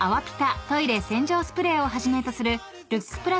ピタトイレ洗浄スプレーをはじめとするルック